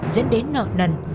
dẫn đến nợ nần